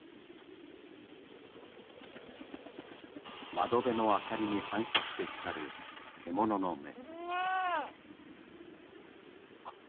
窓辺の明かりに反射して光る獣の目。